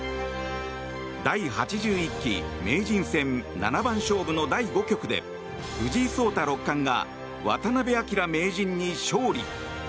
第８１期名人戦七番勝負の第５局で藤井聡太六冠が渡辺明名人に勝利。